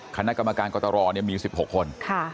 คณะกรรมการกฎรอเนี่ยมี๑๖คน